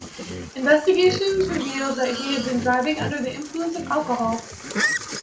Investigations revealed that he had been driving under the influence of alcohol.